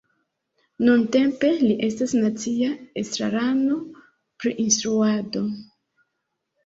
Nuntempe li estas nacia estrarano pri instruado.